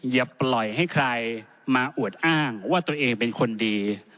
อย่าปล่อยให้ใครมาอวดอ้างว่าตัวเองเป็นคนดี